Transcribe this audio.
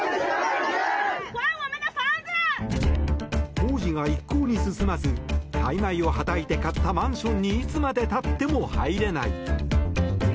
工事が一向に進まず大枚をはたいて買ったマンションにいつまでたっても入れない。